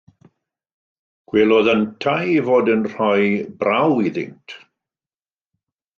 Gwelodd yntau ei fod yn rhoi braw iddynt.